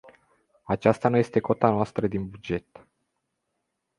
Aceasta nu este cota noastră din buget.